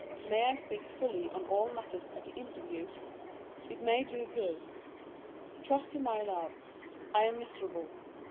May I speak fully on all matters at the interview ? It may do good. Trust to my love. I am miserable.